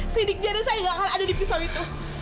sidik jari saya nggak akan ada di pisau itu